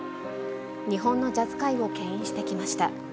日本のジャズ界をけん引してきました。